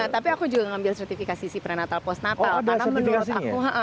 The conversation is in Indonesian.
tapi aku juga ngambil sertifikasi sih prenatal postnatal